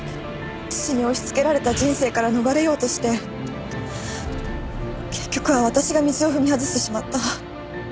父に押しつけられた人生から逃れようとして結局は私が道を踏み外してしまった。